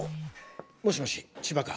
もしもし千葉か？